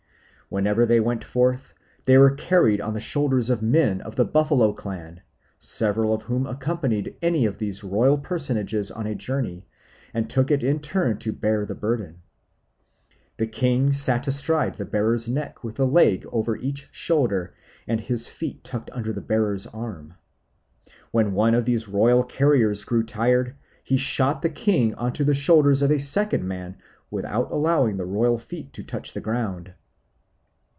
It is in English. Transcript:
Whenever they went forth they were carried on the shoulders of men of the Buffalo clan, several of whom accompanied any of these royal personages on a journey and took it in turn to bear the burden. The king sat astride the bearer's neck with a leg over each shoulder and his feet tucked under the bearer's arms. When one of these royal carriers grew tired he shot the king onto the shoulders of a second man without allowing the royal feet to touch the ground.